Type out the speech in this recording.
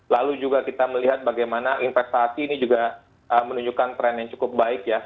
lalu juga kita melihat bagaimana investasi ini juga menunjukkan tren yang cukup baik ya